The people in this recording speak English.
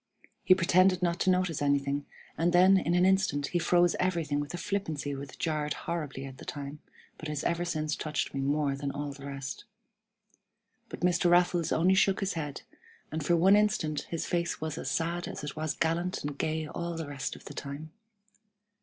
He pretended not to notice anything, and then in an instant he froze everything with a flippancy which jarred horribly at the time, but has ever since touched me more than all the rest. I remember that I wanted to shake hands at the end. But Mr. Raffles only shook his head, and for one instant his face was as sad as it was gallant and gay all the rest of the time.